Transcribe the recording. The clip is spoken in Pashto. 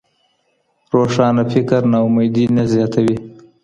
روښانه فکر ناامیدي نه زیاتوي.